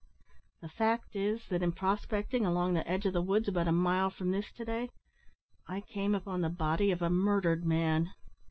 The fact is, that in prospecting along the edge of the woods about a mile from this to day, I came upon the body of a murdered man.